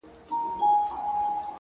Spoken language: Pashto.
هوښیار انسان له تېروتنو زده کوي،